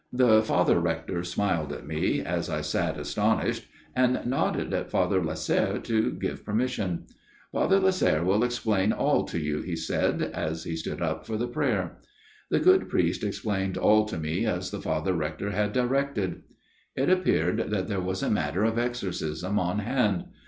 " The Father Rector smiled at me, as I sat astonished, and nodded at Father Lasserre to give permission. "' Father Lasserre will explain all to you,' he said, as he stood up for the prayer. " The good priest explained all to me as the Father Rector had directed. " It appeared that there was a matter of exorcism on hand.